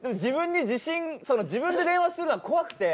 自分で電話するのが怖くて。